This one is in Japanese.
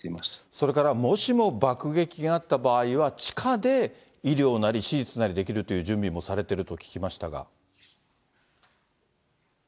それからもしも爆撃があった場合は地下で医療なり手術なりできるという準備もされてると聞きましたが。